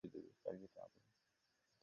মাত্র দশ মিনিটের জন্য।